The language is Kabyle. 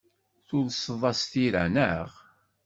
Tulseḍ-as tira, naɣ?